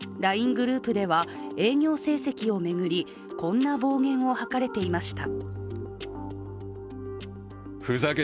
グループでは営業成績を巡りこんな暴言を吐かれていました。